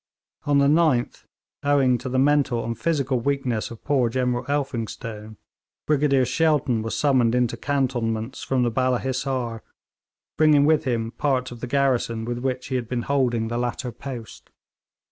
On the 9th, owing to the mental and physical weakness of poor General Elphinstone, Brigadier Shelton was summoned into cantonments from the Balla Hissar, bringing with him part of the garrison with which he had been holding the latter post.